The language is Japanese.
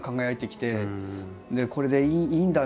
これでいいんだ！